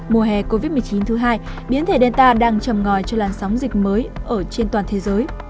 mùa hè covid một mươi chín thứ hai biến thể delta đang trầm ngòi cho làn sóng dịch mới ở trên toàn thế giới